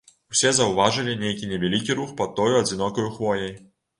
Усе заўважылі нейкі невялікі рух пад тою адзінокаю хвояй.